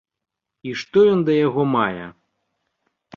І што ён да яго мае?